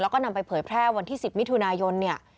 แล้วก็นำไปเผยแพร่วันที่๑๐มิถุนายนเนี่ย